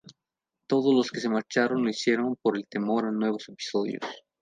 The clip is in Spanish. Todos los que se marcharon lo hicieron por el temor a nuevos episodios.